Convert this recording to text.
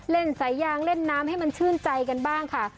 เล่นสายยางเล่นน้ำให้มันชื่นใจกันบ้างค่ะ